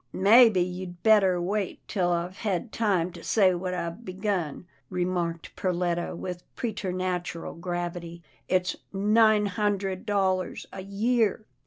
" Maybe you'd better wait till I've hed time to say what I've begun," remarked Perletta with pre ternatural gravity, " It's nine hundred dollars a year."